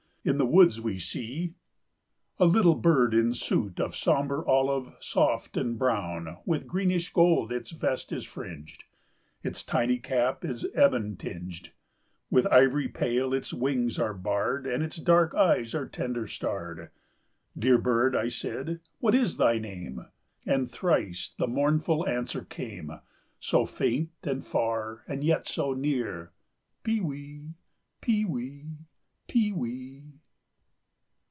In the woods we see— "A little bird in suit Of sombre olive, soft and brown, With greenish gold its vest is fringed, Its tiny cap is ebon tinged, With ivory pale its wings are barred, And its dark eyes are tender starred. 'Dear bird,' I said, 'what is thy name?' And thrice the mournful answer came, So faint and far and yet so near— 'Pewee! Pewee! Pewee!